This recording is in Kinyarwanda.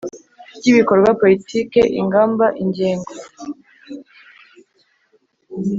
Ry ibikorwa politiki ingamba ingengo